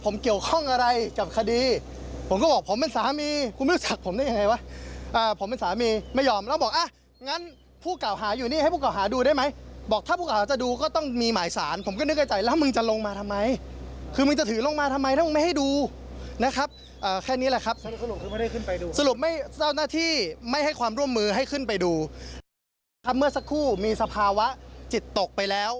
เมื่อสักครู่มีสภาวะจิตตกไปแล้ว